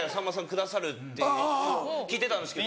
くださるって聞いてたんですけど。